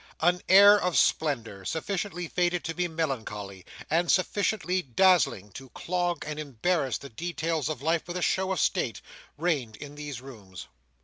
An air of splendour, sufficiently faded to be melancholy, and sufficiently dazzling to clog and embarrass the details of life with a show of state, reigned in these rooms.